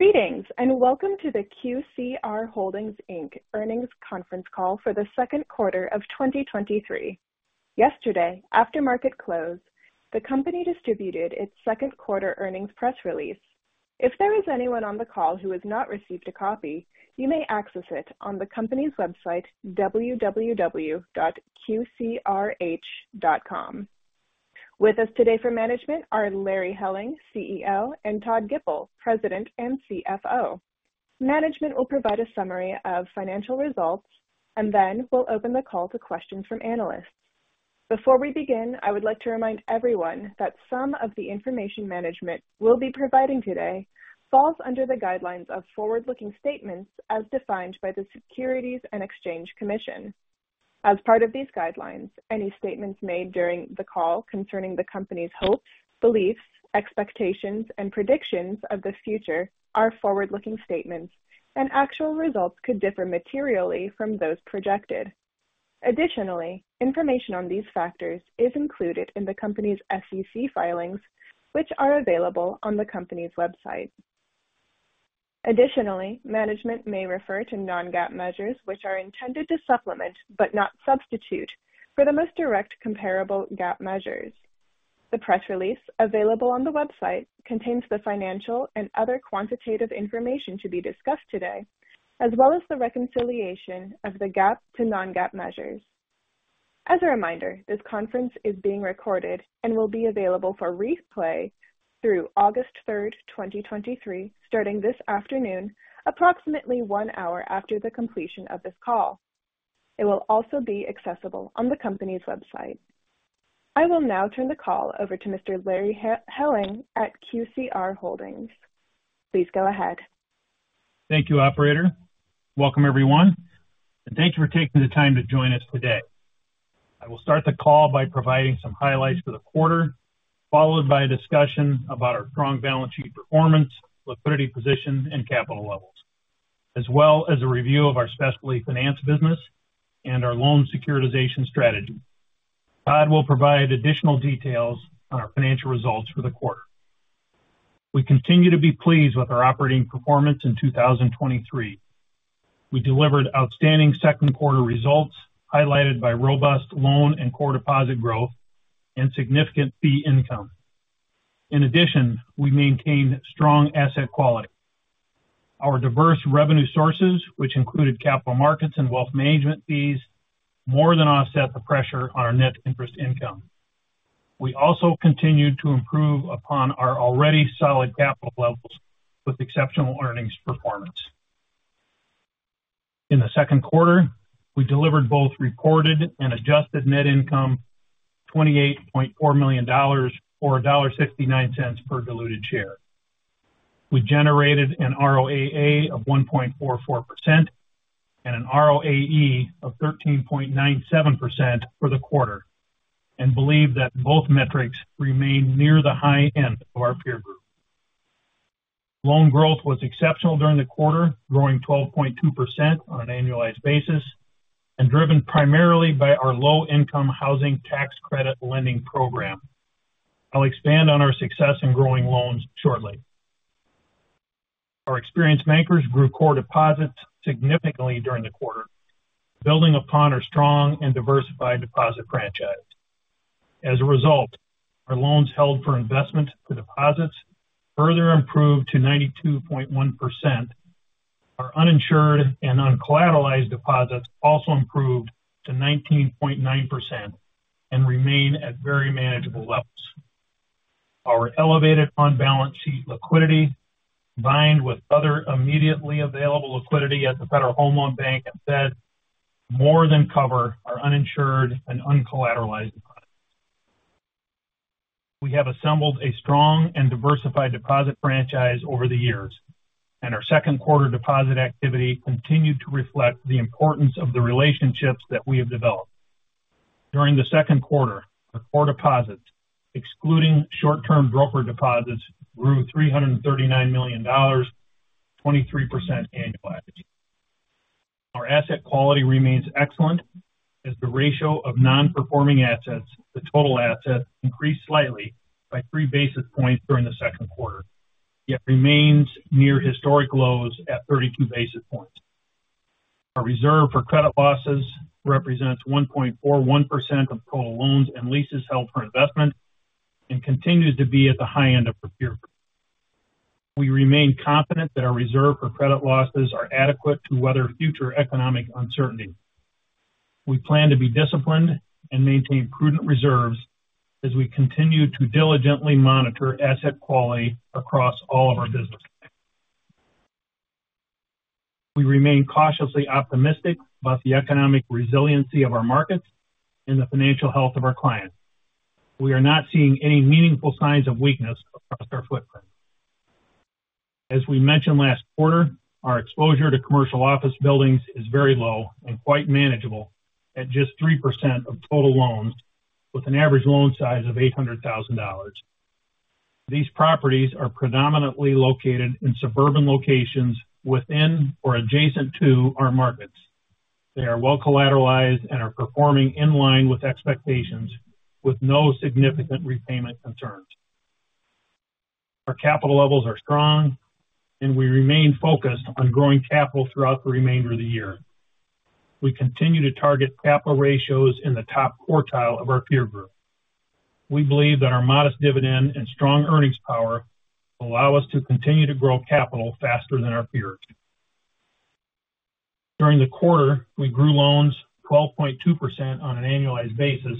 Greetings, and welcome to the QCR Holdings, Inc earnings conference call for the second quarter of 2023. Yesterday, after market close, the company distributed its second quarter earnings press release. If there is anyone on the call who has not received a copy, you may access it on the company's website, www.qcrh.com. With us today for management are Larry Helling, CEO, and Todd Gipple, President and CFO. Management will provide a summary of financial results, and then we'll open the call to questions from analysts. Before we begin, I would like to remind everyone that some of the information management will be providing today falls under the guidelines of forward-looking statements as defined by the Securities and Exchange Commission. As part of these guidelines, any statements made during the call concerning the company's hopes, beliefs, expectations, and predictions of the future are forward-looking statements, and actual results could differ materially from those projected. Additionally, information on these factors is included in the company's SEC filings, which are available on the company's website. Additionally, management may refer to non-GAAP measures, which are intended to supplement, but not substitute, for the most direct comparable GAAP measures. The press release available on the website contains the financial and other quantitative information to be discussed today, as well as the reconciliation of the GAAP to non-GAAP measures. As a reminder, this conference is being recorded and will be available for replay through August 3, 2023, starting this afternoon, approximately one hour after the completion of this call. It will also be accessible on the company's website. I will now turn the call over to Mr. Larry Helling at QCR Holdings. Please go ahead. Thank you, operator. Welcome, everyone, thank you for taking the time to join us today. I will start the call by providing some highlights for the quarter, followed by a discussion about our strong balance sheet performance, liquidity position, and capital levels, as well as a review of our specialty finance business and our loan securitization strategy. Todd will provide additional details on our financial results for the quarter. We continue to be pleased with our operating performance in 2023. We delivered outstanding second quarter results, highlighted by robust loan and core deposit growth and significant fee income. In addition, we maintained strong asset quality. Our diverse revenue sources, which included capital markets and wealth management fees, more than offset the pressure on our net interest income. We also continued to improve upon our already solid capital levels with exceptional earnings performance. In the second quarter, we delivered both reported and adjusted net income, $28.4 million, or $1.69 per diluted share. We generated an ROAA of 1.44% and an ROAE of 13.97% for the quarter, and believe that both metrics remain near the high end of our peer group. Loan growth was exceptional during the quarter, growing 12.2% on an annualized basis and driven primarily by our low-income housing tax credit lending program. I'll expand on our success in growing loans shortly. Our experienced bankers grew core deposits significantly during the quarter, building upon our strong and diversified deposit franchise. Our loans held for investment to deposits further improved to 92.1%. Our uninsured and uncollateralized deposits also improved to 19.9% and remain at very manageable levels. Our elevated on-balance sheet liquidity, combined with other immediately available liquidity at the Federal Home Loan Bank, have said more than cover our uninsured and uncollateralized deposits. We have assembled a strong and diversified deposit franchise over the years, and our second quarter deposit activity continued to reflect the importance of the relationships that we have developed. During the second quarter, our core deposits, excluding short-term brokered deposits, grew $339 million, 23% annualized. Our asset quality remains excellent, as the ratio of non-performing assets to total assets increased slightly by 3 basis points during the second quarter, yet remains near historic lows at 32 basis points. Our reserve for credit losses represents 1.41% of total loans and leases held for investment and continues to be at the high end of the peer group. We remain confident that our reserve for credit losses are adequate to weather future economic uncertainty. We plan to be disciplined and maintain prudent reserves as we continue to diligently monitor asset quality across all of our businesses. We remain cautiously optimistic about the economic resiliency of our markets and the financial health of our clients. We are not seeing any meaningful signs of weakness across our footprint. As we mentioned last quarter, our exposure to commercial office buildings is very low and quite manageable at just 3% of total loans, with an average loan size of $800,000. These properties are predominantly located in suburban locations within or adjacent to our markets. They are well collateralized and are performing in line with expectations, with no significant repayment concerns. Our capital levels are strong, and we remain focused on growing capital throughout the remainder of the year. We continue to target capital ratios in the top quartile of our peer group. We believe that our modest dividend and strong earnings power will allow us to continue to grow capital faster than our peers. During the quarter, we grew loans 12.2% on an annualized basis,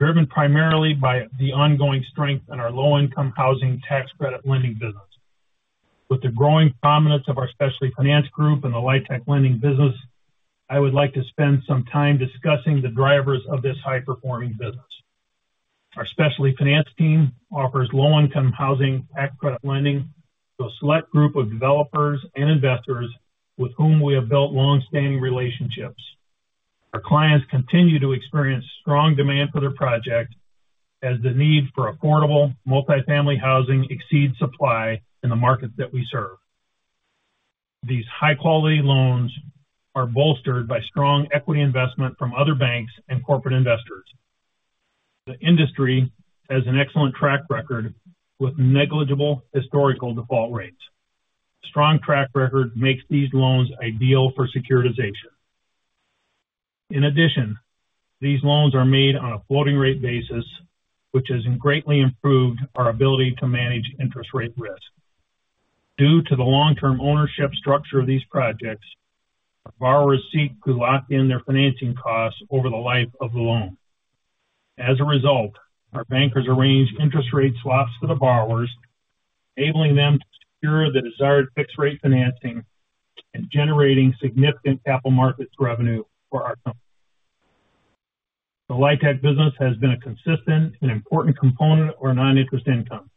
driven primarily by the ongoing strength in our low-income housing tax credit lending business. With the growing prominence of our Specialty Finance Group and the LIHTC lending business, I would like to spend some time discussing the drivers of this high-performing business. Our Specialty Finance team offers low-income housing tax credit lending to a select group of developers and investors with whom we have built long-standing relationships. Our clients continue to experience strong demand for their project, as the need for affordable multifamily housing exceeds supply in the markets that we serve. These high-quality loans are bolstered by strong equity investment from other banks and corporate investors. The industry has an excellent track record with negligible historical default rates. Strong track record makes these loans ideal for securitization. In addition, these loans are made on a floating rate basis, which has greatly improved our ability to manage interest rate risk. Due to the long-term ownership structure of these projects, our borrowers seek to lock in their financing costs over the life of the loan. As a result, our bankers arrange interest rate swaps for the borrowers, enabling them to secure the desired fixed rate financing and generating significant capital markets revenue for our company. The LIHTC business has been a consistent and important component of our non-interest income.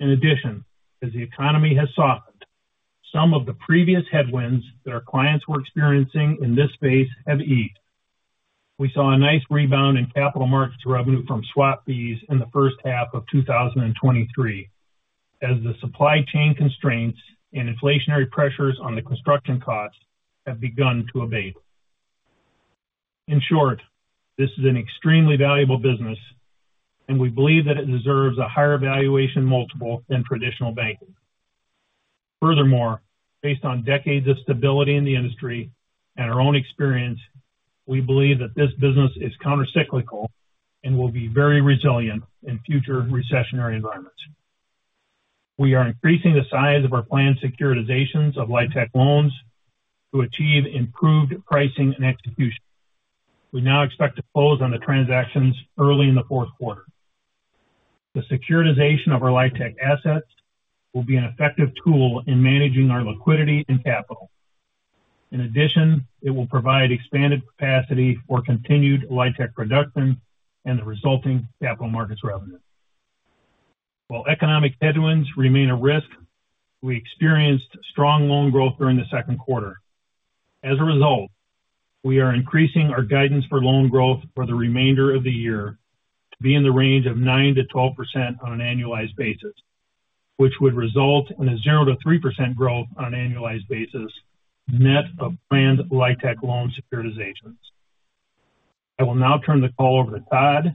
In addition, as the economy has softened, some of the previous headwinds that our clients were experiencing in this space have eased. We saw a nice rebound in capital markets revenue from swap fees in the first half of 2023, as the supply chain constraints and inflationary pressures on the construction costs have begun to abate. In short, this is an extremely valuable business, and we believe that it deserves a higher valuation multiple than traditional banking. Furthermore, based on decades of stability in the industry and our own experience, we believe that this business is countercyclical and will be very resilient in future recessionary environments. We are increasing the size of our planned securitizations of LIHTC loans to achieve improved pricing and execution. We now expect to close on the transactions early in the fourth quarter. The securitization of our LIHTC assets will be an effective tool in managing our liquidity and capital. It will provide expanded capacity for continued LIHTC production and the resulting capital markets revenue. While economic headwinds remain a risk, we experienced strong loan growth during the second quarter. We are increasing our guidance for loan growth for the remainder of the year to be in the range of 9%-12% on an annualized basis, which would result in a 0%-3% growth on an annualized basis, net of planned LIHTC loan securitizations. I will now turn the call over to Todd to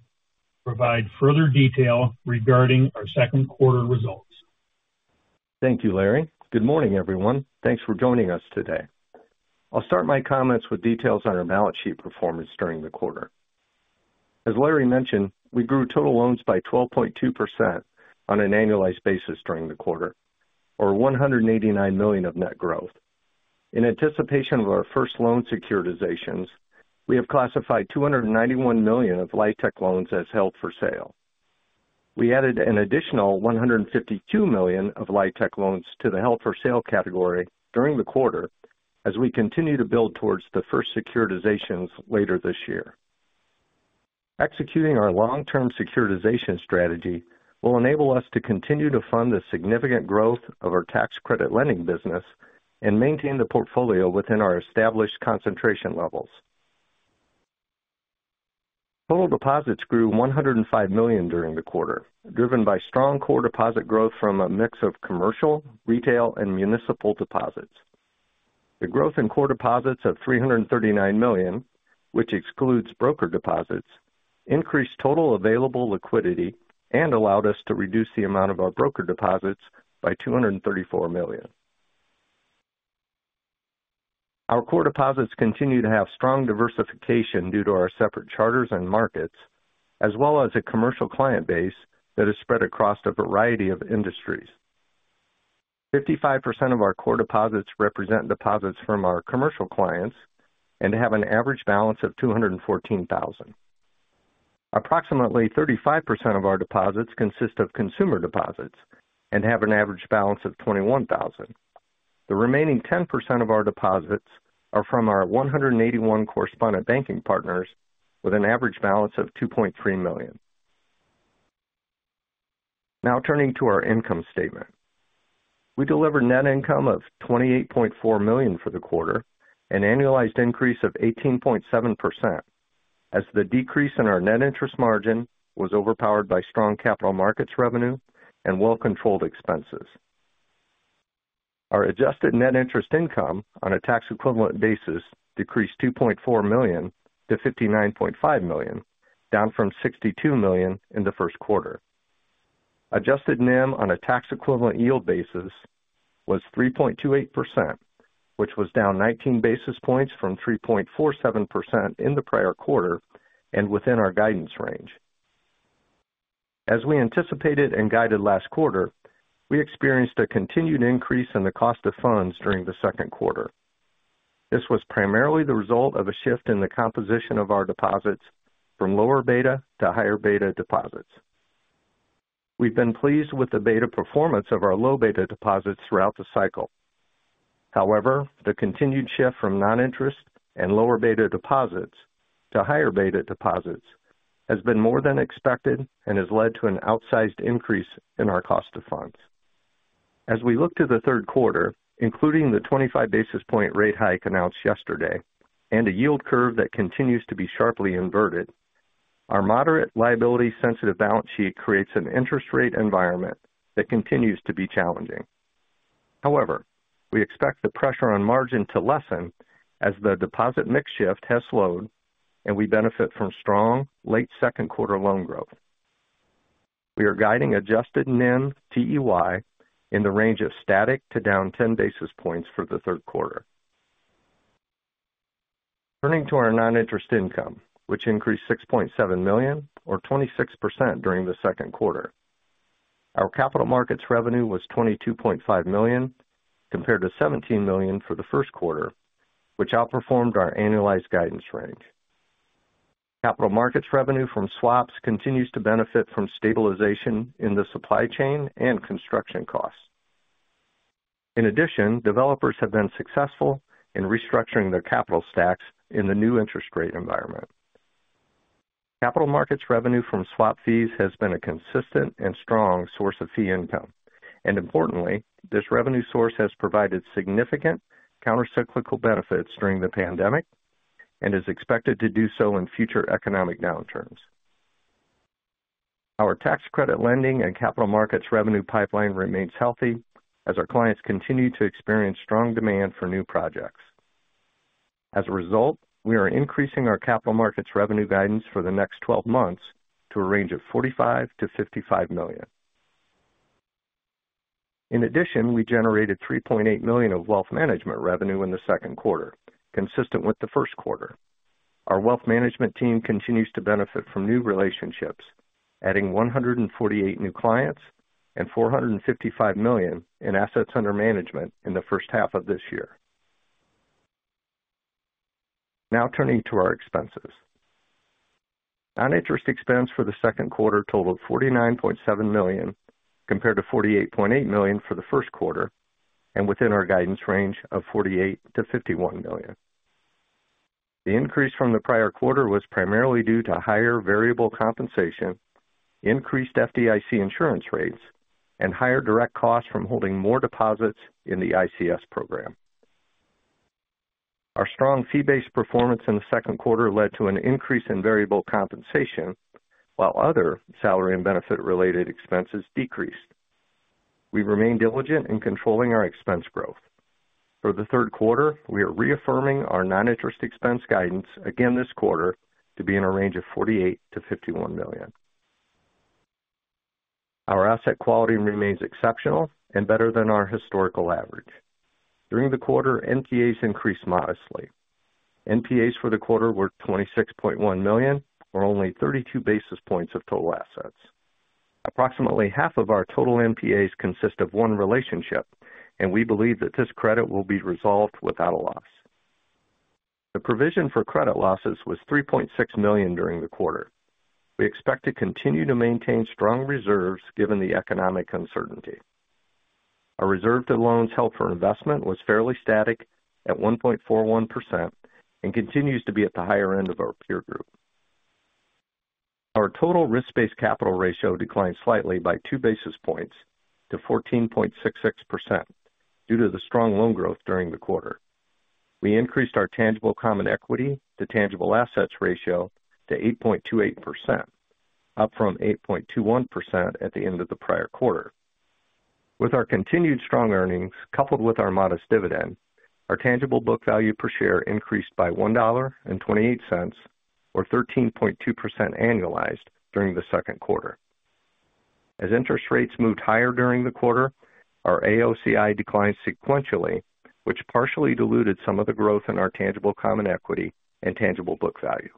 provide further detail regarding our second quarter results. Thank you, Larry. Good morning, everyone. Thanks for joining us today. I'll start my comments with details on our balance sheet performance during the quarter. As Larry mentioned, we grew total loans by 12.2% on an annualized basis during the quarter, or $189 million of net growth. In anticipation of our first loan securitizations, we have classified $291 million of LIHTC loans as held for sale. We added an additional $152 million of LIHTC loans to the held for sale category during the quarter, as we continue to build towards the first securitizations later this year. Executing our long-term securitization strategy will enable us to continue to fund the significant growth of our tax credit lending business and maintain the portfolio within our established concentration levels. Total deposits grew $105 million during the quarter, driven by strong core deposit growth from a mix of commercial, retail, and municipal deposits. The growth in core deposits of $339 million, which excludes brokered deposits, increased total available liquidity and allowed us to reduce the amount of our brokered deposits by $234 million. Our core deposits continue to have strong diversification due to our separate charters and markets, as well as a commercial client base that is spread across a variety of industries. 55% of our core deposits represent deposits from our commercial clients and have an average balance of $214,000. Approximately 35% of our deposits consist of consumer deposits and have an average balance of $21,000. The remaining 10% of our deposits are from our 181 correspondent banking partners with an average balance of $2.3 million. Turning to our income statement. We delivered net income of $28.4 million for the quarter, an annualized increase of 18.7%, as the decrease in our net interest margin was overpowered by strong capital markets revenue and well-controlled expenses. Our adjusted net interest income on a tax equivalent basis decreased $2.4 million to $59.5 million, down from $62 million in the first quarter. Adjusted NIM on a tax equivalent yield basis was 3.28%, which was down 19 basis points from 3.47% in the prior quarter and within our guidance range. As we anticipated and guided last quarter, we experienced a continued increase in the cost of funds during the second quarter. This was primarily the result of a shift in the composition of our deposits from lower beta to higher beta deposits. We've been pleased with the beta performance of our low beta deposits throughout the cycle. However, the continued shift from non-interest and lower beta deposits to higher beta deposits has been more than expected and has led to an outsized increase in our cost of funds. As we look to the third quarter, including the 25 basis point rate hike announced yesterday and a yield curve that continues to be sharply inverted, our moderate liability sensitive balance sheet creates an interest rate environment that continues to be challenging. We expect the pressure on margin to lessen as the deposit mix shift has slowed and we benefit from strong late second quarter loan growth. We are guiding adjusted NIM TEY in the range of static to down 10 basis points for the third quarter. Turning to our non-interest income, which increased $6.7 million or 26% during the second quarter. Our capital markets revenue was $22.5 million, compared to $17 million for the first quarter, which outperformed our annualized guidance range. Capital markets revenue from swaps continues to benefit from stabilization in the supply chain and construction costs. In addition, developers have been successful in restructuring their capital stacks in the new interest rate environment. Capital markets revenue from swap fees has been a consistent and strong source of fee income, importantly, this revenue source has provided significant countercyclical benefits during the pandemic and is expected to do so in future economic downturns. Our tax credit lending and capital markets revenue pipeline remains healthy as our clients continue to experience strong demand for new projects. We are increasing our capital markets revenue guidance for the next 12 months to a range of $45 million-$55 million. We generated $3.8 million of wealth management revenue in the second quarter, consistent with the first quarter. Our wealth management team continues to benefit from new relationships, adding 148 new clients and $455 million in assets under management in the first half of this year. Turning to our expenses. Non-interest expense for the second quarter totaled $49.7 million, compared to $48.8 million for the first quarter, and within our guidance range of $48 million-$51 million. The increase from the prior quarter was primarily due to higher variable compensation, increased FDIC insurance rates, and higher direct costs from holding more deposits in the ICS program. Our strong fee-based performance in the second quarter led to an increase in variable compensation, while other salary and benefit related expenses decreased. We remain diligent in controlling our expense growth. For the third quarter, we are reaffirming our non-interest expense guidance again this quarter to be in a range of $48 million-$51 million. Our asset quality remains exceptional and better than our historical average. During the quarter, NPAs increased modestly. NPAs for the quarter were $26.1 million, or only 32 basis points of total assets. Approximately half of our total NPAs consist of one relationship, and we believe that this credit will be resolved without a loss. The provision for credit losses was $3.6 million during the quarter. We expect to continue to maintain strong reserves given the economic uncertainty. Our reserve to loans held for investment was fairly static at 1.41% and continues to be at the higher end of our peer group. Our total risk-based capital ratio declined slightly by 2 basis points to 14.66% due to the strong loan growth during the quarter. We increased our tangible common equity to tangible assets ratio to 8.28%, up from 8.21% at the end of the prior quarter. With our continued strong earnings, coupled with our modest dividend, our tangible book value per share increased by $1.28, or 13.2% annualized during the second quarter. As interest rates moved higher during the quarter, our AOCI declined sequentially, which partially diluted some of the growth in our tangible common equity and tangible book value.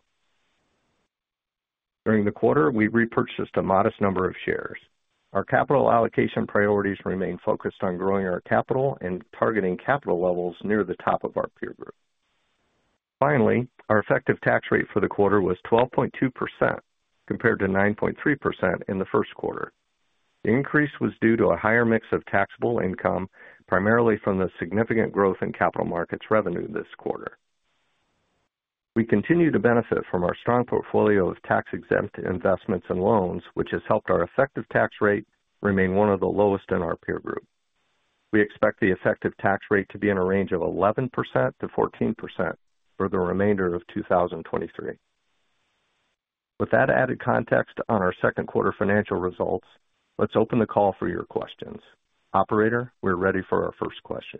During the quarter, we repurchased a modest number of shares. Our capital allocation priorities remain focused on growing our capital and targeting capital levels near the top of our peer group. Finally, our effective tax rate for the quarter was 12.2%, compared to 9.3% in the first quarter. The increase was due to a higher mix of taxable income, primarily from the significant growth in capital markets revenue this quarter. We continue to benefit from our strong portfolio of tax-exempt investments and loans, which has helped our effective tax rate remain one of the lowest in our peer group. We expect the effective tax rate to be in a range of 11%-14% for the remainder of 2023. With that added context on our second quarter financial results, let's open the call for your questions. Operator, we're ready for our first question.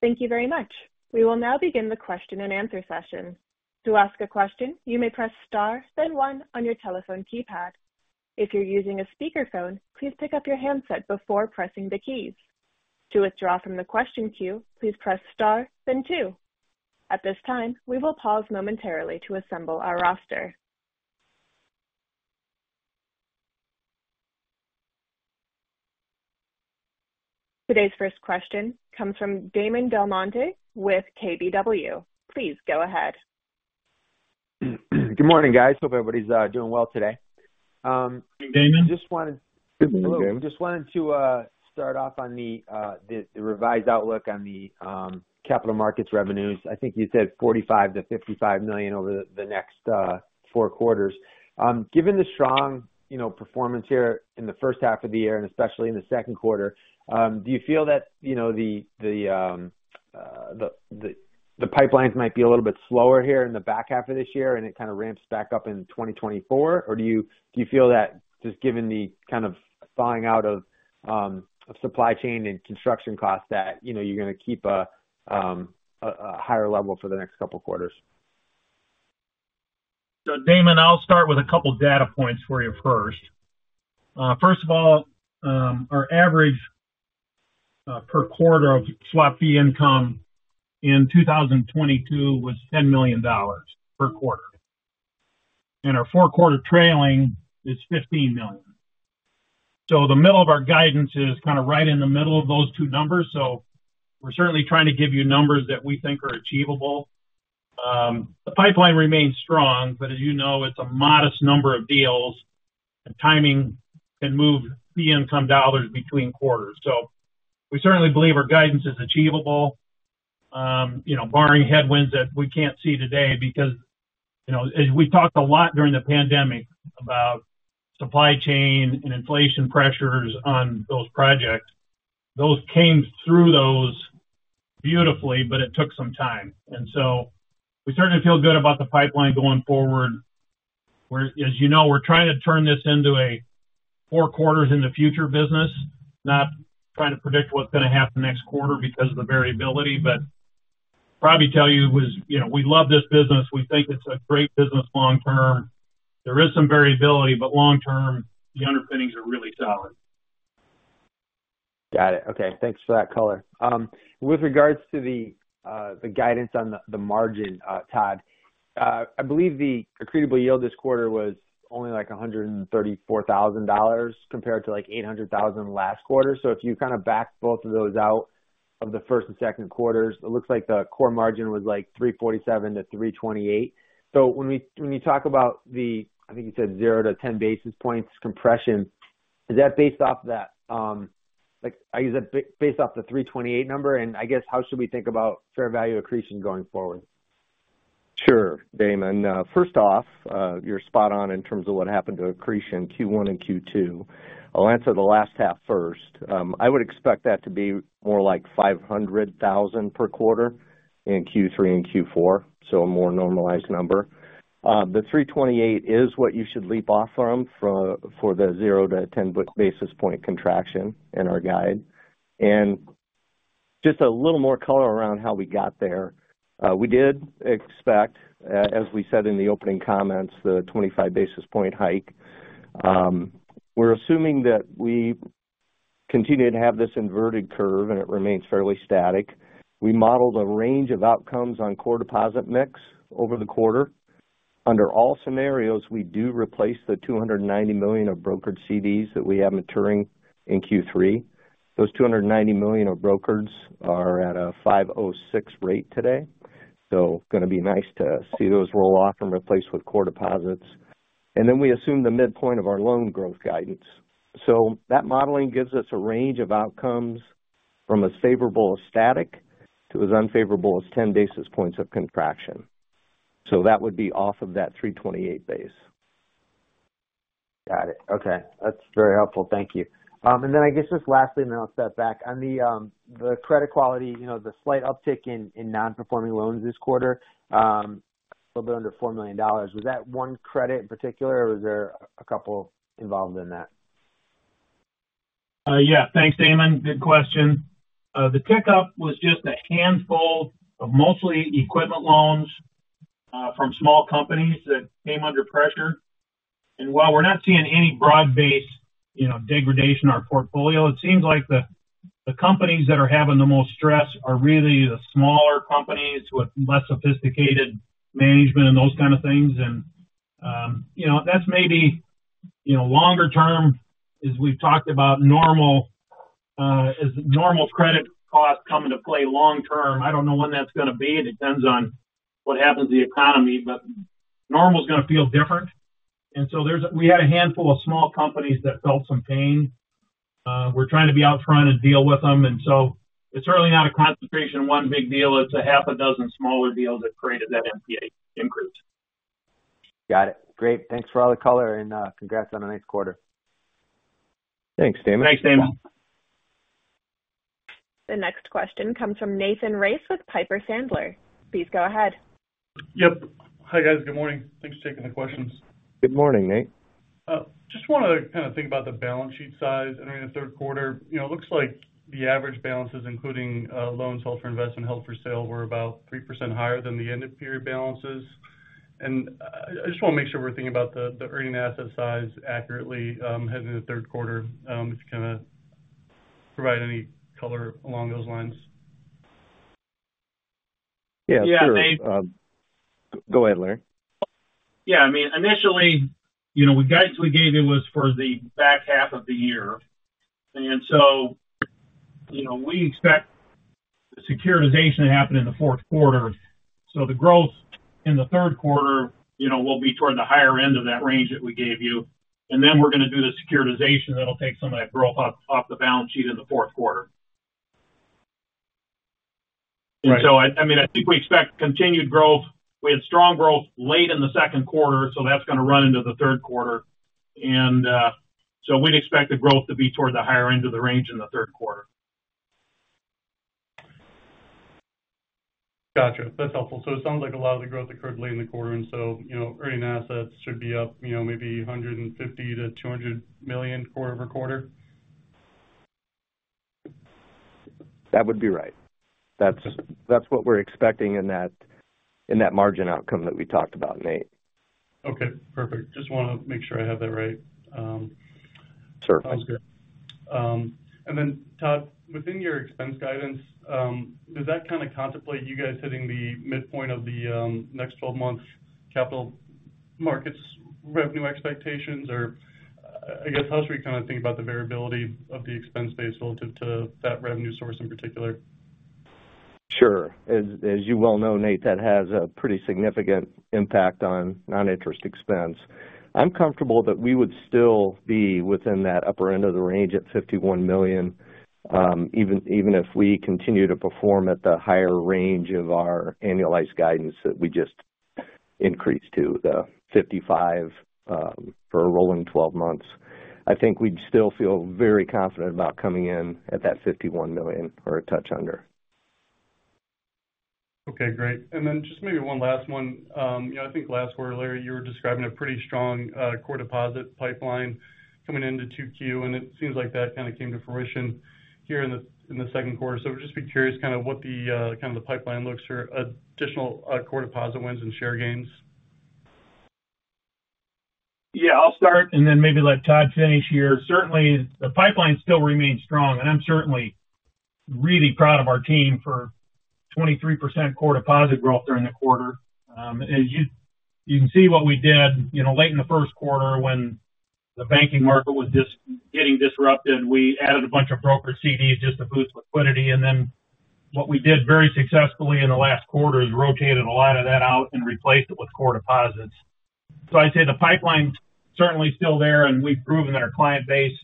Thank you very much. We will now begin the question and answer session. To ask a question, you may press star, then 1 on your telephone keypad. If you're using a speakerphone, please pick up your handset before pressing the keys. To withdraw from the question queue, please press star, then 2. At this time, we will pause momentarily to assemble our roster. Today's first question comes from Damon DelMonte with KBW. Please go ahead. Good morning, guys. Hope everybody's doing well today. Hey, Damon. Just wanted. Good morning, Damon. Just wanted to start off on the revised outlook on the capital markets revenues. I think you said $45 million-$55 million over the next 4 quarters. Given the strong, you know, performance here in the first half of the year, and especially in the second quarter, do you feel that, you know, the pipelines might be a little bit slower here in the back half of this year, and it kind of ramps back up in 2024? Or do you feel that just given the kind of thawing out of supply chain and construction costs, that, you know, you're gonna keep a higher level for the next couple quarters? Damon, I'll start with a couple data points for you first. First of all, our average per quarter of swap fee income in 2022 was $10 million per quarter. Our 4 quarter trailing is $15 million. The middle of our guidance is kind of right in the middle of those two numbers, so we're certainly trying to give you numbers that we think are achievable. The pipeline remains strong, but as you know, it's a modest number of deals, and timing can move fee income dollars between quarters. We certainly believe our guidance is achievable, you know, barring headwinds that we can't see today. You know, as we talked a lot during the pandemic about supply chain and inflation pressures on those projects, those came through those beautifully, but it took some time. We certainly feel good about the pipeline going forward, where, as you know, we're trying to turn this into a 4 quarters in the future business. Not trying to predict what's going to happen next quarter because of the variability, but probably tell you was, you know, we love this business. We think it's a great business long term. There is some variability, but long term, the underpinnings are really solid. Got it. Okay, thanks for that color. With regards to the guidance on the margin, Todd, I believe the accretable yield this quarter was only, like, $134,000 compared to, like, $800,000 last quarter. If you kind of back both of those out of the first and second quarters, it looks like the core margin was, like, 3.47 to 3.28. When we, when you talk about the... I think you said 0 to 10 basis points compression, is that based off that, like, is that based off the 3.28 number? I guess, how should we think about fair value accretion going forward? Sure, Damon. First off, you're spot on in terms of what happened to accretion Q1 and Q2. I'll answer the last half first. I would expect that to be more like $500,000 per quarter in Q3 and Q4, so a more normalized number. The 328 is what you should leap off from for the 0-10 basis point contraction in our guide. Just a little more color around how we got there. We did expect, as we said in the opening comments, the 25 basis point hike. We're assuming that we continue to have this inverted curve, and it remains fairly static. We modeled a range of outcomes on core deposit mix over the quarter. Under all scenarios, we do replace the $290 million of brokered CDs that we have maturing in Q3. Those $290 million of brokereds are at a 5.06% rate today, so gonna be nice to see those roll off and replaced with core deposits. Then we assume the midpoint of our loan growth guidance. That modeling gives us a range of outcomes from as favorable as static to as unfavorable as 10 basis points of contraction. That would be off of that 3.28% base. Got it. Okay, that's very helpful. Thank you. I guess, just lastly, then I'll step back. On the credit quality, you know, the slight uptick in non-performing loans this quarter, a little bit under $4 million. Was that one credit in particular, or was there a couple involved in that? Yeah. Thanks, Damon. Good question. The pickup was just a handful of mostly equipment loans, from small companies that came under pressure. While we're not seeing any broad-based, you know, degradation in our portfolio, it seems like the companies that are having the most stress are really the smaller companies with less sophisticated management and those kind of things. You know, that's maybe, you know, longer term, as we've talked about, normal, as normal credit costs come into play long term. I don't know when that's gonna be. It depends on what happens to the economy, but normal is gonna feel different. We had a handful of small companies that felt some pain. We're trying to be out front and deal with them, and so it's really not a concentration of one big deal, it's a half a dozen smaller deals that created that NPA increase. Got it. Great. Thanks for all the color, and congrats on a nice quarter. Thanks, Damon. Thanks, Damon. The next question comes from Nathan Race with Piper Sandler. Please go ahead. Yep. Hi, guys. Good morning. Thanks for taking the questions. Good morning, Nate. Just want to kind of think about the balance sheet size entering the third quarter. You know, it looks like the average balances, including loans held for investment, held for sale, were about 3% higher than the end-of-period balances. I just want to make sure we're thinking about the earning asset size accurately heading in the third quarter, if you kind of provide any color along those lines. Yeah, sure. Yeah, Nate. Go ahead, Larry. Yeah, I mean, initially, you know, the guidance we gave you was for the back half of the year. You know, we expect securitization to happen in the fourth quarter. The growth in the third quarter, you know, will be toward the higher end of that range that we gave you. Then we're going to do the securitization that'll take some of that growth off the balance sheet in the fourth quarter. Right. I mean, I think we expect continued growth. We had strong growth late in the second quarter, so that's going to run into the third quarter. So we'd expect the growth to be toward the higher end of the range in the third quarter. Gotcha. That's helpful. It sounds like a lot of the growth occurred late in the quarter, you know, earning assets should be up, you know, maybe $150 million-$200 million quarter-over-quarter? That would be right. That's, that's what we're expecting in that, in that margin outcome that we talked about, Nate. Okay, perfect. Just want to make sure I have that right. Sure. Sounds good. Todd, within your expense guidance, does that kind of contemplate you guys hitting the midpoint of the next 12 months capital markets revenue expectations? Or I guess, how should we kind of think about the variability of the expense base relative to that revenue source in particular? Sure. As you well know, Nate, that has a pretty significant impact on non-interest expense. I'm comfortable that we would still be within that upper end of the range at $51 million, even if we continue to perform at the higher range of our annualized guidance that we just increased to, the $55 million, for a rolling 12 months. I think we'd still feel very confident about coming in at that $51 million or a touch under. Okay, great. Just maybe one last one. You know, I think last quarter, Larry, you were describing a pretty strong core deposit pipeline coming into 2Q, and it seems like that kind of came to fruition here in the second quarter. I'd just be curious kind of what the pipeline looks for additional core deposit wins and share gains. Yeah, I'll start and then maybe let Todd finish here. Certainly, the pipeline still remains strong, and I'm certainly really proud of our team for 23% core deposit growth during the quarter. As you can see what we did, you know, late in the first quarter when the banking market was just getting disrupted. We added a bunch of brokered CDs just to boost liquidity. What we did very successfully in the last quarter is rotated a lot of that out and replaced it with core deposits. I'd say the pipeline's certainly still there, and we've proven that our client base,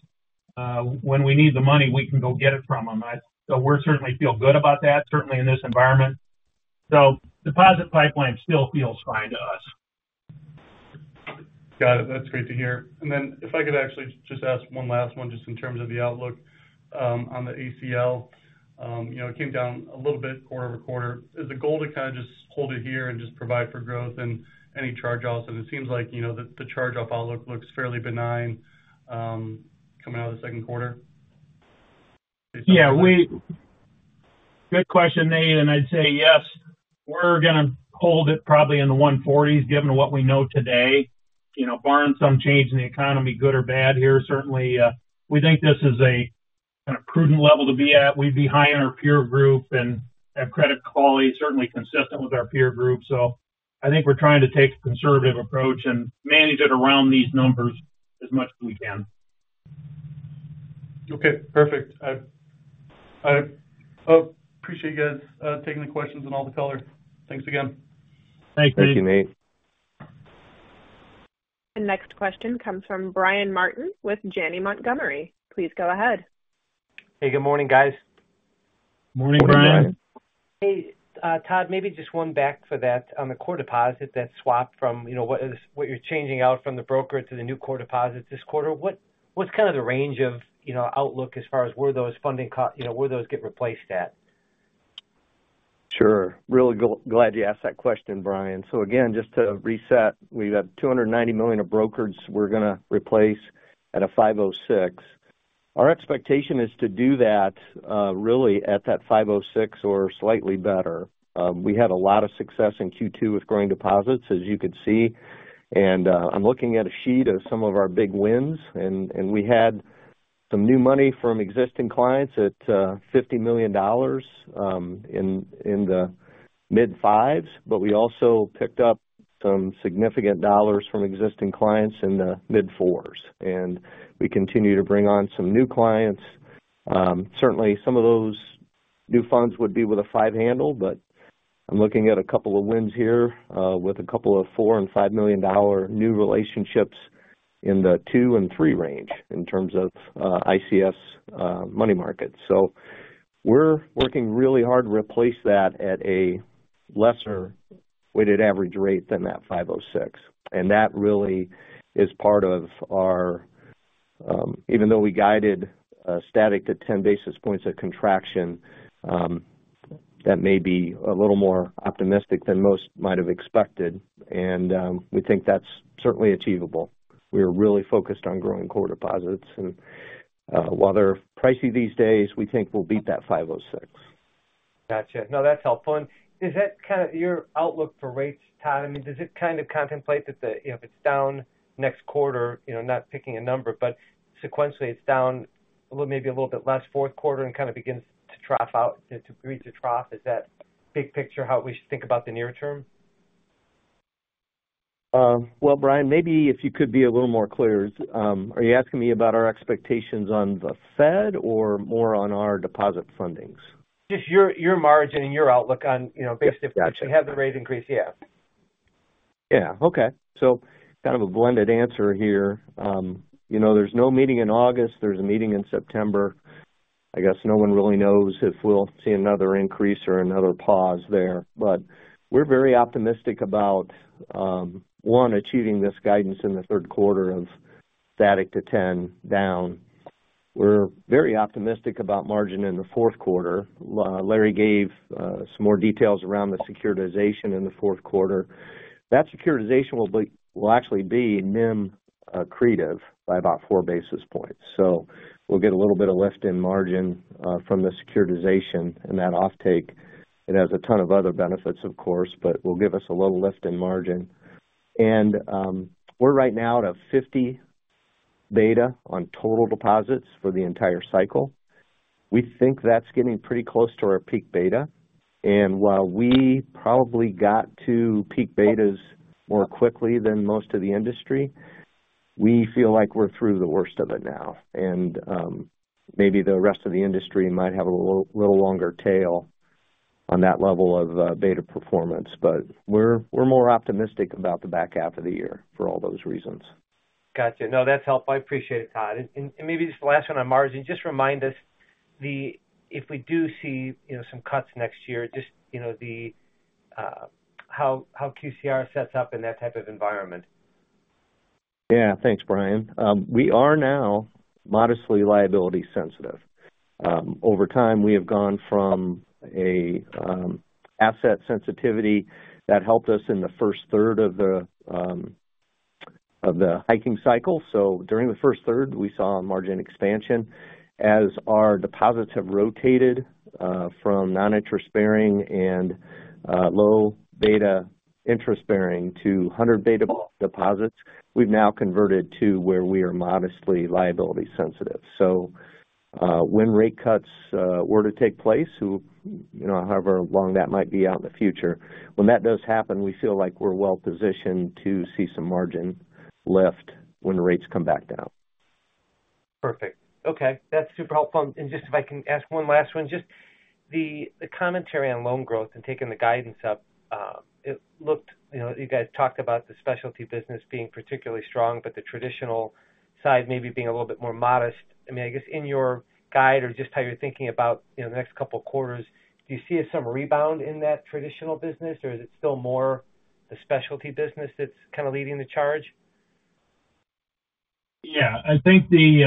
when we need the money, we can go get it from them. We're certainly feel good about that, certainly in this environment. Deposit pipeline still feels fine to us. Got it. That's great to hear. Then if I could actually just ask one last one, just in terms of the outlook on the ACL. You know, it came down a little bit quarter-over-quarter. Is the goal to kind of just hold it here and just provide for growth and any charge-offs? It seems like, you know, the, the charge-off outlook looks fairly benign, coming out of the second quarter. Yeah, good question, Nate, I'd say yes, we're going to hold it probably in the 140s, given what we know today. You know, barring some change in the economy, good or bad here, certainly, we think this is a kind of prudent level to be at. We'd be high in our peer group and have credit quality, certainly consistent with our peer group. I think we're trying to take a conservative approach and manage it around these numbers as much as we can. Okay, perfect. I appreciate you guys taking the questions and all the color. Thanks again. Thank you. Thank you, Nate. The next question comes from Brian Martin with Janney Montgomery. Please go ahead. Hey, good morning, guys. Morning, Brian. Morning. Todd, maybe just one back for that. On the core deposit, that swap from, you know, what you're changing out from the broker to the new core deposits this quarter, what's kind of the range of, you know, outlook as far as where those funding cost, you know, where those get replaced at? Sure. Really glad you asked that question, Brian. Again, just to reset, we've got $290 million of brokerages we're going to replace at a 5.06%. Our expectation is to do that really at that 5.06% or slightly better. We had a lot of success in Q2 with growing deposits, as you can see. I'm looking at a sheet of some of our big wins, and we had some new money from existing clients at $50 million in the mid-5s. We also picked up some significant dollars from existing clients in the mid-4s, and we continue to bring on some new clients. Certainly, some of those new funds would be with a 5 handle. I'm looking at a couple of wins here, with a couple of $4 million and $5 million new relationships in the 2 and 3 range in terms of ICS money market. We're working really hard to replace that at a lesser weighted average rate than that 506. That really is part of our, even though we guided static to 10 basis points of contraction, that may be a little more optimistic than most might have expected. We think that's certainly achievable. We're really focused on growing core deposits. While they're pricey these days, we think we'll beat that 506. Gotcha. No, that's helpful. Is that kind of your outlook for rates, Todd? I mean, does it kind of contemplate that the, you know, if it's down next quarter, you know, not picking a number, but sequentially, it's down a little, maybe a little bit less fourth quarter and kind of begins to trough out, to reach a trough? Is that big picture, how we should think about the near term? Well, Brian, maybe if you could be a little more clear. Are you asking me about our expectations on the Fed or more on our deposit fundings? Just your margin and your outlook on, you know, based. Got you. We have the rate increase, yeah. Okay. Kind of a blended answer here. you know, there's no meeting in August. There's a meeting in September. I guess no one really knows if we'll see another increase or another pause there, but we're very optimistic about, one, achieving this guidance in the third quarter of static to 10 down. We're very optimistic about margin in the fourth quarter. Larry gave some more details around the securitization in the fourth quarter. That securitization will actually be NIM accretive by about four basis points. We'll get a little bit of lift in margin from the securitization and that offtake. It has a ton of other benefits, of course, but will give us a little lift in margin. We're right now at a 50 beta on total deposits for the entire cycle. We think that's getting pretty close to our peak beta. While we probably got to peak betas more quickly than most of the industry, we feel like we're through the worst of it now. Maybe the rest of the industry might have a little longer tail on that level of beta performance, but we're more optimistic about the back half of the year for all those reasons. Got you. That's helpful. I appreciate it, Todd. Maybe just the last one on margin. Just remind us if we do see, you know, some cuts next year, just, you know, the how QCR sets up in that type of environment. Yeah, thanks, Brian. We are now modestly liability sensitive. Over time, we have gone from a asset sensitivity that helped us in the first third of the hiking cycle. During the first third, we saw a margin expansion. As our deposits have rotated, from non-interest bearing and low beta interest bearing to 100 beta deposits, we've now converted to where we are modestly liability sensitive. When rate cuts were to take place, who, you know, however long that might be out in the future, when that does happen, we feel like we're well positioned to see some margin lift when the rates come back down. Perfect. Okay, that's super helpful. Just if I can ask one last one, just the, the commentary on loan growth and taking the guidance up, it looked, you know, you guys talked about the specialty business being particularly strong, but the traditional side maybe being a little bit more modest. I mean, I guess in your guide or just how you're thinking about, you know, the next couple of quarters, do you see some rebound in that traditional business, or is it still more the specialty business that's kind of leading the charge? I think the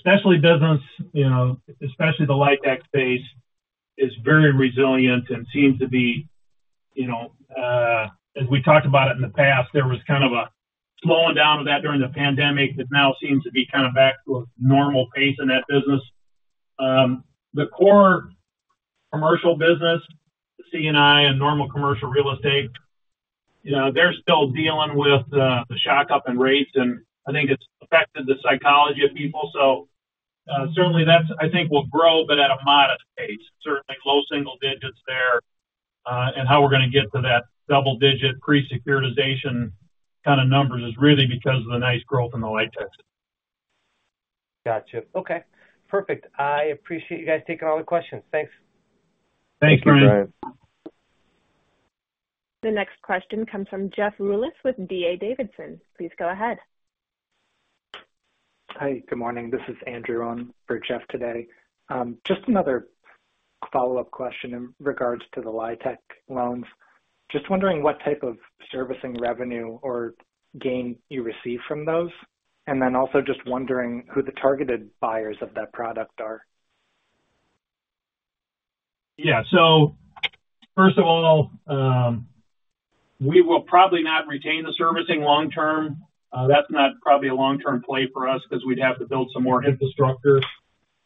specialty business, you know, especially the LIHTC space, is very resilient and seems to be, you know, as we talked about it in the past, there was kind of a slowing down of that during the pandemic, that now seems to be kind of back to a normal pace in that business. The core commercial business, C&I and normal commercial real estate, you know, they're still dealing with the shock up in rates, and I think it's affected the psychology of people. Certainly I think will grow, but at a modest pace, certainly low single digits there. How we're going to get to that double-digit pre-securitization kind of numbers is really because of the nice growth in the LIHTCs. Got you. Okay, perfect. I appreciate you guys taking all the questions. Thanks. Thanks, Brian. Thank you, Brian. The next question comes from Jeff Rulis with D.A. Davidson. Please go ahead. Hi, good morning. This is Andrew on for Jeff today. Just another follow-up question in regards to the LIHTC loans. Just wondering what type of servicing revenue or gain you receive from those, and then also just wondering who the targeted buyers of that product are? Yeah. First of all, we will probably not retain the servicing long term. That's not probably a long-term play for us because we'd have to build some more infrastructure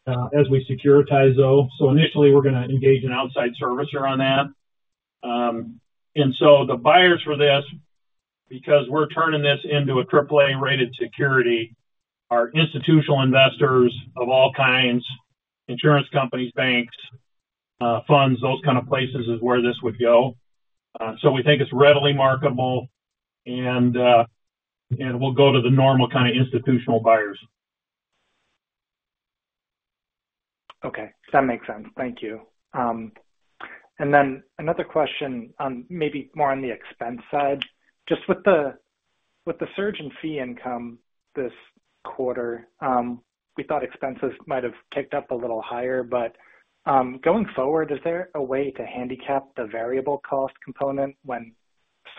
as we securitize those. Initially, we're going to engage an outside servicer on that. The buyers for this, because we're turning this into a triple-A-rated security, are institutional investors of all kinds, insurance companies, banks, funds, those kind of places, is where this would go. We think it's readily marketable, and we'll go to the normal kind of institutional buyers. Okay, that makes sense. Thank you. Another question on maybe more on the expense side. Just with the surge in fee income this quarter, we thought expenses might have ticked up a little higher. Going forward, is there a way to handicap the variable cost component when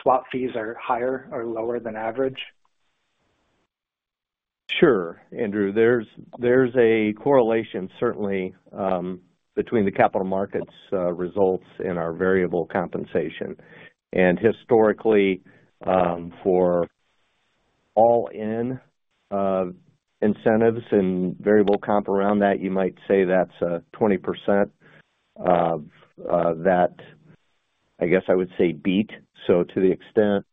swap fees are higher or lower than average? Sure, Andrew. There's a correlation, certainly, between the capital markets results and our variable compensation. Historically, for all in incentives and variable comp around that, you might say that's 20% that, I guess I would say, beat. To the extent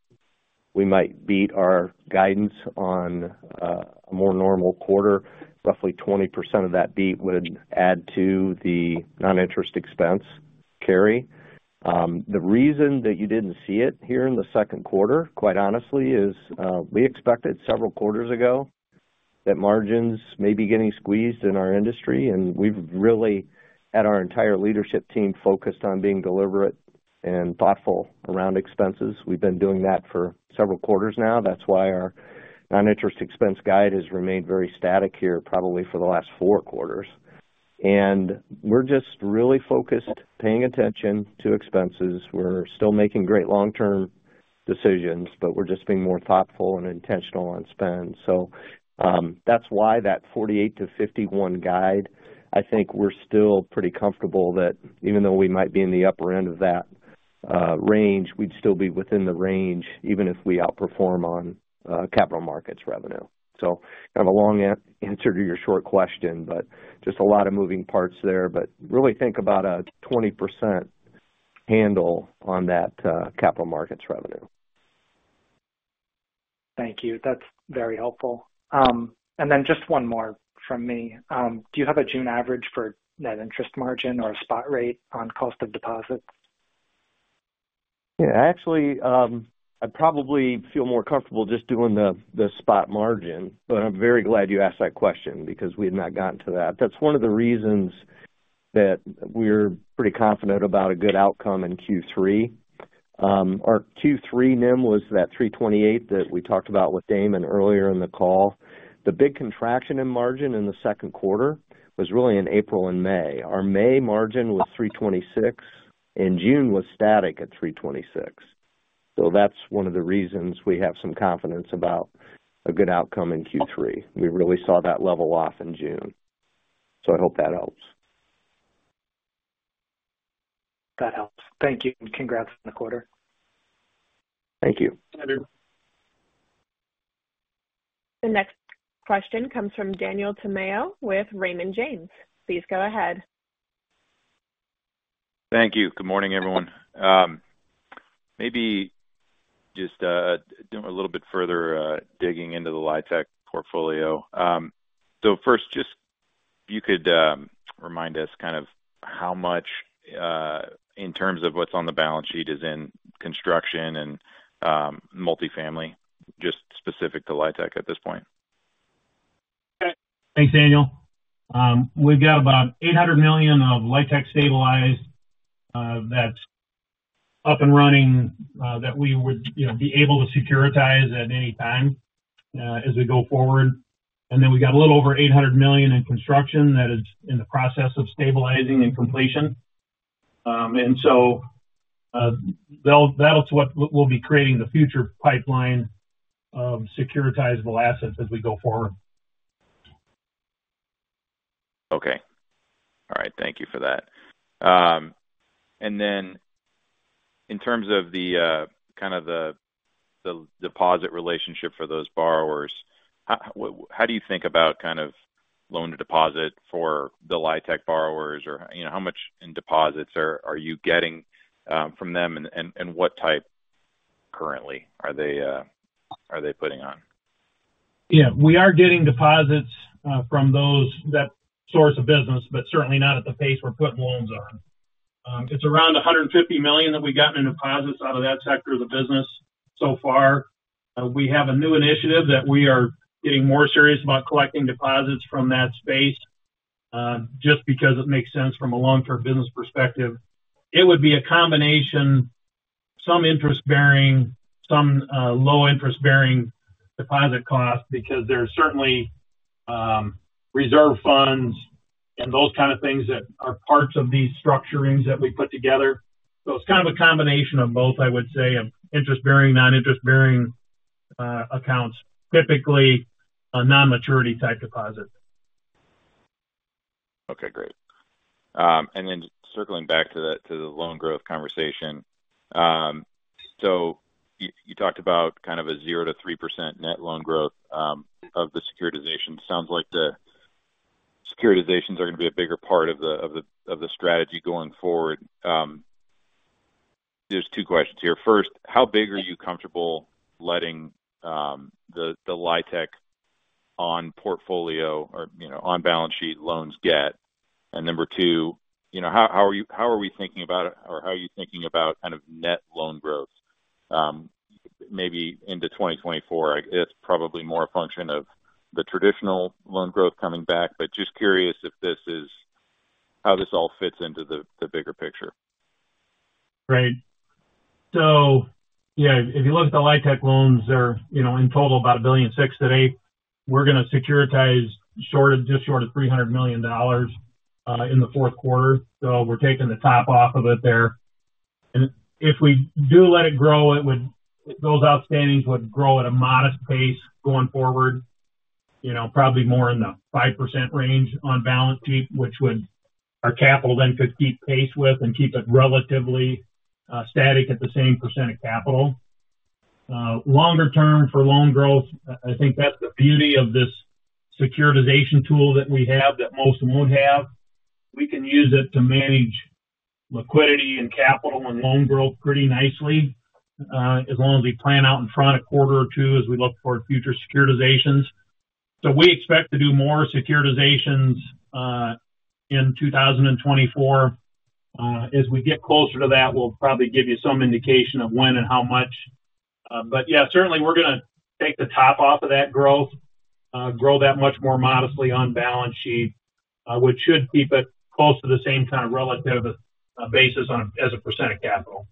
we might beat our guidance on a more normal quarter, roughly 20% of that beat would add to the non-interest expense carry. The reason that you didn't see it here in the second quarter, quite honestly, is we expected several quarters ago that margins may be getting squeezed in our industry, and we've really had our entire leadership team focused on being deliberate and thoughtful around expenses. We've been doing that for several quarters now. That's why our non-interest expense guide has remained very static here, probably for the last four quarters. We're just really focused, paying attention to expenses. We're still making great long-term decisions, but we're just being more thoughtful and intentional on spend. That's why that 48-51 guide, I think we're still pretty comfortable that even though we might be in the upper end of that range, we'd still be within the range, even if we outperform on capital markets revenue. Kind of a long answer to your short question, but just a lot of moving parts there. Really think about a 20% handle on that capital markets revenue. Thank you. That's very helpful. Just one more from me. Do you have a June average for net interest margin or a spot rate on cost of deposits? Actually, I'd probably feel more comfortable just doing the spot margin. I'm very glad you asked that question because we had not gotten to that. That's one of the reasons that we're pretty confident about a good outcome in Q3. Our Q3 NIM was that 3.28% that we talked about with Damon earlier in the call. The big contraction in margin in the second quarter was really in April and May. Our May margin was 3.26%. June was static at 3.26%. That's one of the reasons we have some confidence about a good outcome in Q3. We really saw that level off in June. I hope that helps. That helps. Thank you, and congrats on the quarter. Thank you. The next question comes from Daniel Tamayo with Raymond James. Please go ahead. Thank you. Good morning, everyone. Maybe just doing a little bit further digging into the LIHTC portfolio. First, just if you could remind us kind of how much in terms of what's on the balance sheet is in construction and multifamily, just specific to LIHTC at this point? Thanks, Daniel. We've got about $800 million of LIHTC stabilized, that's up and running, that we would, you know, be able to securitize at any time, as we go forward. We got a little over $800 million in construction that is in the process of stabilizing and completion. That'll, that's what we'll be creating the future pipeline of securitizable assets as we go forward. Okay. All right. Thank you for that. In terms of the, kind of the, the deposit relationship for those borrowers, how do you think about kind of loan to deposit for the LIHTC borrowers? Or, you know, how much in deposits are you getting from them, and what type currently are they putting on? Yeah, we are getting deposits from that source of business, but certainly not at the pace we're putting loans on. It's around $150 million that we got in deposits out of that sector of the business so far. We have a new initiative that we are getting more serious about collecting deposits from that space, just because it makes sense from a long-term business perspective. It would be a combination, some interest-bearing, some low interest-bearing deposit costs, because there are certainly reserve funds and those kind of things that are parts of these structurings that we put together. It's kind of a combination of both, I would say, of interest-bearing, non-interest-bearing accounts, typically a non-maturity type deposit. Okay, great. Then just circling back to that, to the loan growth conversation. You talked about kind of a 0%-3% net loan growth, of the securitization. Sounds like the securitizations are going to be a bigger part of the strategy going forward. There's two questions here. First, how big are you comfortable letting, the LIHTC on portfolio or, you know, on-balance sheet loans get? Number two, you know, how are we thinking about, or how are you thinking about kind of net loan growth, maybe into 2024? It's probably more a function of the traditional loan growth coming back, but just curious how this all fits into the, the bigger picture. Right. Yeah, if you look at the LIHTC loans, they're, you know, in total, about $1.6 billion today. We're gonna securitize just short of $300 million in the fourth quarter. We're taking the top off of it there. If we do let it grow, those outstandings would grow at a modest pace going forward, you know, probably more in the 5% range on balance sheet, which would our capital then could keep pace with and keep it relatively static at the same percent of capital. Longer term, for loan growth, I think that's the beauty of this securitization tool that we have that most won't have. We can use it to manage liquidity and capital and loan growth pretty nicely, as long as we plan out in front a quarter or two as we look for future securitizations. We expect to do more securitizations in 2024. As we get closer to that, we'll probably give you some indication of when and how much. Yeah, certainly we're gonna take the top off of that growth, grow that much more modestly on balance sheet, which should keep it close to the same kind of relative basis on as a percent of capital.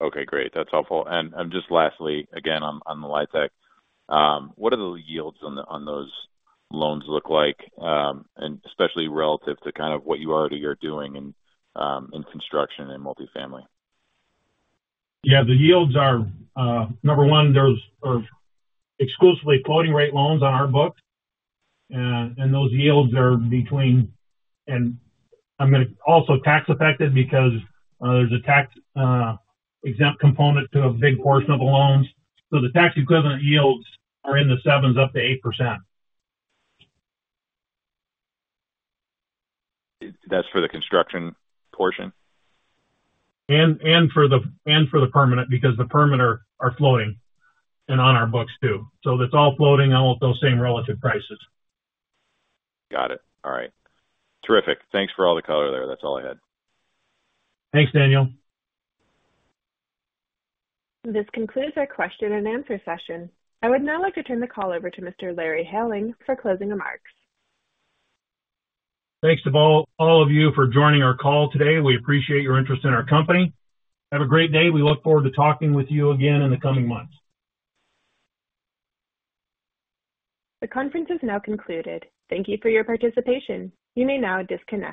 Okay, great. That's helpful. Just lastly, again, on the LIHTC, what do the yields on those loans look like, and especially relative to kind of what you already are doing in construction and multifamily? Yeah, the yields are. Number one, those are exclusively floating-rate loans on our books. Those yields are also tax-affected because there's a tax-exempt component to a big portion of the loans. The tax-equivalent yields are in the 7s, up to 8%. That's for the construction portion? For the permanent, because the permanent are floating and on our books, too. It's all floating on those same relative prices. Got it. All right. Terrific. Thanks for all the color there. That's all I had. Thanks, Daniel. This concludes our question and answer session. I would now like to turn the call over to Mr. Larry Helling for closing remarks. Thanks to all of you for joining our call today. We appreciate your interest in our company. Have a great day. We look forward to talking with you again in the coming months. The conference is now concluded. Thank you for your participation. You may now disconnect.